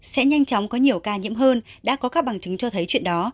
sẽ nhanh chóng có nhiều ca nhiễm hơn đã có các bằng chứng cho thấy chuyện đó